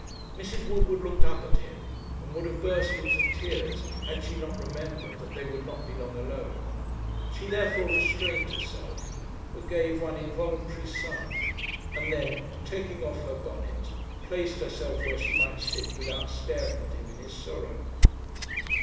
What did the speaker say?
Mrs. Woodward looked up at him, and would have burst into tears, had she not remembered that they would not be long alone; she therefore restrained herself, but gave one involuntary sigh; and then, taking off her bonnet, placed herself where she might sit without staring at him in his sorrow.